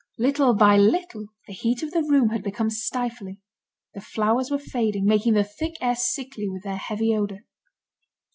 Little by little, the heat of the room had become stifling; the flowers were fading, making the thick air sickly, with their heavy odour.